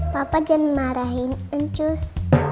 papa jangan marahin uncus